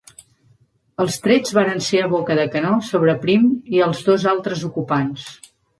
Els trets varen ser a boca de canó sobre Prim i els dos altres ocupants.